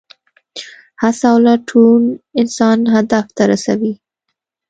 هڅه او لټون انسان هدف ته رسوي.